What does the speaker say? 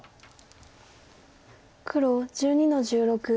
黒１２の十六。